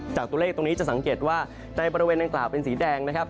จากตัวเลขตรงนี้จะสังเกตว่าในบริเวณดังกล่าวเป็นสีแดงนะครับ